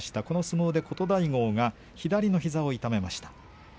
この相撲で琴太豪左の膝を痛めました。